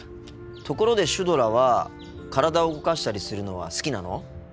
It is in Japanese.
ところでシュドラは体を動かしたりするのは好きなの？